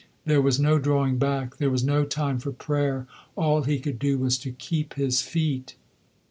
There was no drawing back, there was no time for prayer. All he could do was to keep his feet.